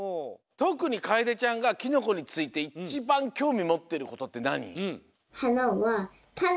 とくにかえでちゃんがキノコについていちばんきょうみもってることってなに？